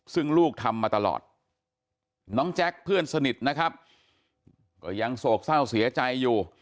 ซึ่งลูกทำมาตลอดน้องแจ๊คเพื่อนสนิทนะครับก็ยังโศกเศร้าเสียใจอยู่